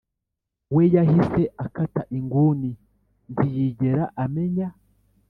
we yahise akata inguni ntiyigera amenya